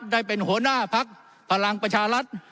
ได้เป็นหัวหน้าพักพลังประชารัฐ